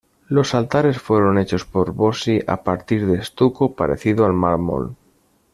Los altares fueron hechos por Bossi a partir de estuco parecido al mármol.